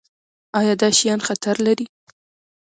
ایا دا شیان خطر لري؟